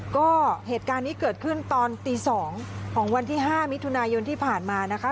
ก็เหตุการณ์นี้เกิดขึ้นตอนตี๒ของวันที่๕มิถุนายนที่ผ่านมานะคะ